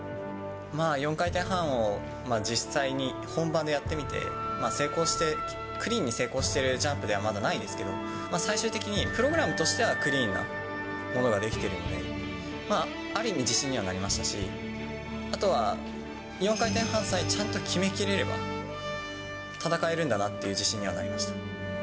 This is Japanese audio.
まあ４回転半を、実際に本番でやってみて、成功して、クリーンに成功しているジャンプではまだないですけど、最終的にプログラムとしてはクリーンなものができているので、ある意味自信にはなりましたし、あとは４回転半さえちゃんと決めきれれば戦えるんだなっていう自信にはなりました。